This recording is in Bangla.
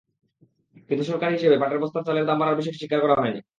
কিন্তু সরকারি হিসাবে, পাটের বস্তার চালের দাম বাড়ার বিষয়টি স্বীকার করা হয়নি।